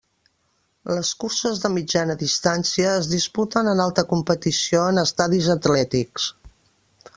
Les curses de mitjana distància es disputen en alta competició en estadis atlètics.